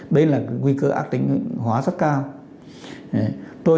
đây là cái nguy cơ ác tinh hóa rất cao